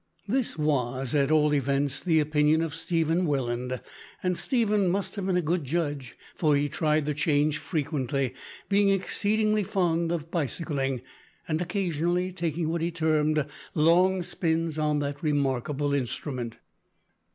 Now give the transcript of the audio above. This was, at all events, the opinion of Stephen Welland; and Stephen must have been a good judge, for he tried the change frequently, being exceedingly fond of bicycling, and occasionally taking what he termed long spins on that remarkable instrument.